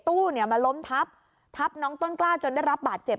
ตู้เนี่ยมาล้มทับทับน้องต้นกล้าจนได้รับบาดเจ็บ